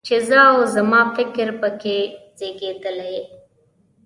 چې زه او زما فکر په کې زېږېدلی.